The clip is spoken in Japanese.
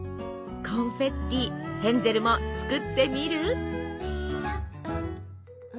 コンフェッティヘンゼルも作ってみる？